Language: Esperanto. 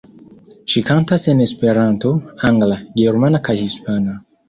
Ŝi kantas en esperanto, angla, germana kaj hispana.